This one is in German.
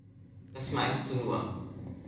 Das meinst du nur.